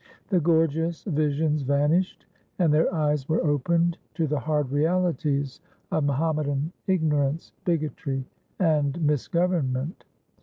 The gorgeous visions vanished, and their eyes were opened to the hard realities of Mohammedan ignorance, bigotry and misgovernment.